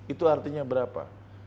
itu artinya berapa